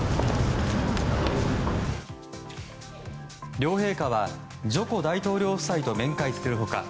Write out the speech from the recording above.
両陛下はジョコ大統領夫妻と面会する他